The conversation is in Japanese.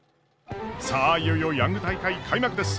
さあいよいよヤング大会開幕です！